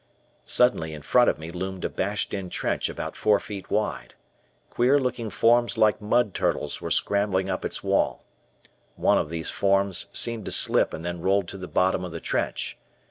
Suddenly, in front of me loomed a bashed in trench about four feet wide. Queer looking forms like mud turtles were scrambling up its wall. One of these forms seemed to slip and then rolled to the bottom of the trench.